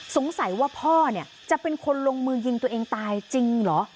สงสัยว่าพ่อเนี่ยจะเป็นคนลงมือยิงตัวเองตายจริงเหรอ